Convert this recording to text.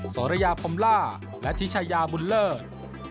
สระยาผมระและทิชญาบุญเลิศ